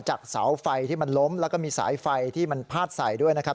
เสาไฟที่มันล้มแล้วก็มีสายไฟที่มันพาดใส่ด้วยนะครับ